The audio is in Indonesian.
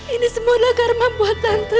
ini semuanya karman buat tante